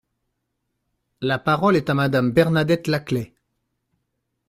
La parole est à Madame Bernadette Laclais.